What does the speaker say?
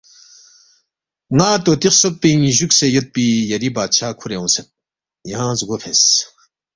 ن٘ا طوطی خسوب پِنگ جُوکسے یودپی یری بادشاہ کُھورے اونگسید، یانگ زگو فیس